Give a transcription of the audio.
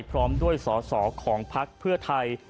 พร้อมด้วยสอสอของพักเพื่อไทย